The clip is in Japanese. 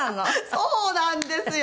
そうなんですよ